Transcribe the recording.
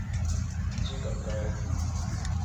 豬腳薑